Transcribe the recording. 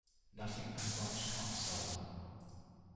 Nothing that brunch can't solve.